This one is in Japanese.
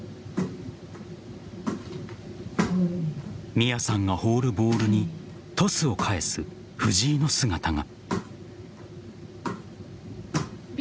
美弥さんが放るボールにトスを返す藤井の姿が。